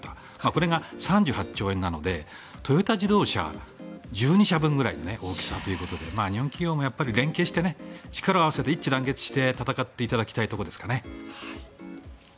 これが３８兆円なのでトヨタ自動車１２社分ぐらいの大きさということで日本企業も連携して力を合わせて一致団結して戦っていただきたいところですかね。